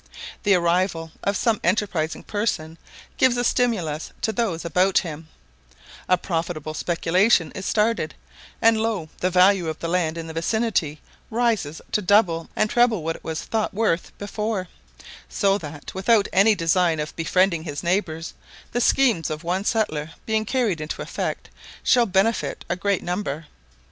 The arrival of some enterprising person gives a stimulus to those about him: a profitable speculation is started, and lo, the value of the land in the vicinity rises to double and treble what it was thought worth before; so that, without any design of befriending his neighbours, the schemes of one settler being carried into effect shall benefit a great number.